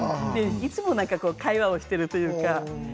いつも会話をしているというか。